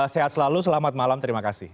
sehat selalu selamat malam terima kasih